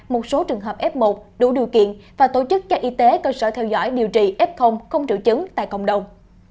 một số trường hợp f một đủ điều kiện và tổ chức các y tế cơ sở theo dõi điều trị f không trữ chứng tại cộng đồng